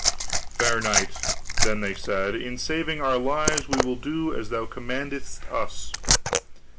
Fair knight, then they said, in saving our lives we will do as thou commandest us.